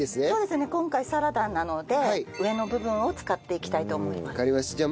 そうですね今回サラダなので上の部分を使っていきたいと思います。